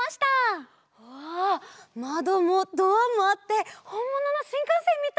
わまどもドアもあってほんもののしんかんせんみたい！